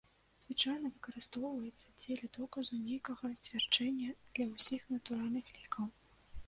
Звычайна выкарыстоўваецца, дзеля доказу нейкага сцвярджэння для ўсіх натуральных лікаў.